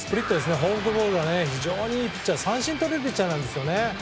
フォークボールが非常にいいピッチャーで三振とれるピッチャーなんですよね。